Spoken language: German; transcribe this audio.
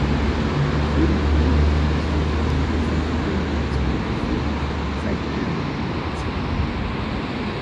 Der Film stellt die Besatzungen der verschiedenen Eisbrecher vor und zeigt deren Arbeitsalltag.